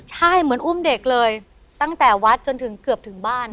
ใช่เหมือนอุ้มเด็กเลยตั้งแต่วัดจนถึงเกือบถึงบ้าน